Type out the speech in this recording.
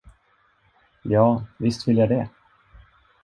Ja, visst vill jag det.